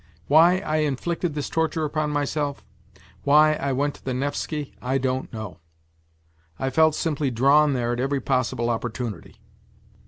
Why I inflicted this torture upon myself, why I went to the Nevsky, I don't know. I felt simply drawn there at every possible opportunity.